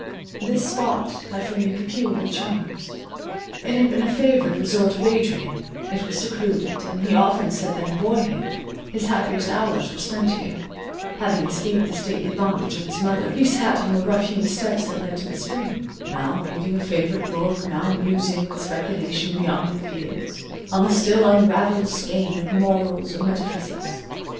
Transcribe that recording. This spot had for me peculiar charms. It had been a favourite resort of Adrian; it was secluded; and he often said that in boyhood, his happiest hours were spent here; having escaped the stately bondage of his mother, he sat on the rough hewn steps that led to the spring, now reading a favourite book, now musing, with speculation beyond his years, on the still unravelled skein of morals or metaphysics.